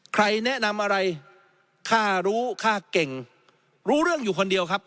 ใครแนะนำอะไรค่ารู้ค่าเก่งรู้เรื่องอยู่คนเดียวครับ